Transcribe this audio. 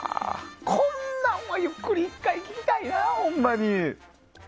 こんなん、ゆっくり１回聞きたいな、ほんまに。